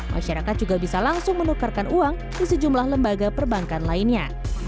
masyarakat juga bisa langsung menukarkan uang di sejumlah lembaga perbankan lainnya